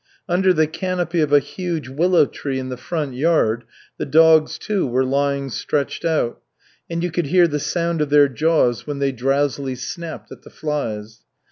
Under the canopy of a huge willow tree in the front yard the dogs, too, were lying stretched out, and you could hear the sound of their jaws when they drowsily snapped at the flies.